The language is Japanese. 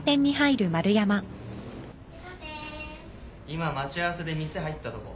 今待ち合わせで店入ったとこ。